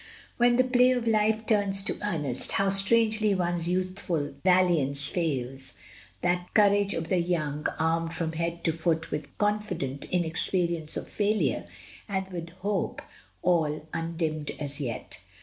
When the play of lO MRS. DYMOND. life turns to earnest, how strangely one's youthful valiance fails — that courage of the young, armed from head to foot with confident inexperience of failure and with hope all undimmed as yet.